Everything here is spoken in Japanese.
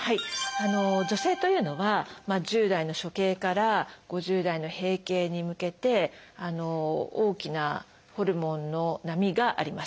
女性というのは１０代の初経から５０代の閉経に向けて大きなホルモンの波があります。